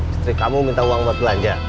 istri kamu minta uang buat belanja